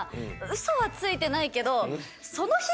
ウソはついてないけど。